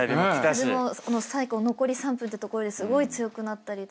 風も最後残り３分ってところですごい強くなったりとか。